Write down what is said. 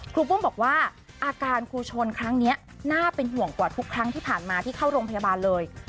รูปุ้มบอกว่าอาการครูชนครั้งนี้น่าเป็นห่วงกว่าทุกครั้งที่ผ่านมาที่เข้าโรงพยาบาลเลย